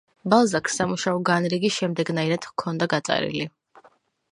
ბალზაკს სამუშაო განრიგი შემდეგნაირად ჰქონდა გაწერილი.